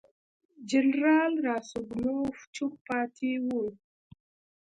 جنرال راسګونوف چوپ پاتې وو.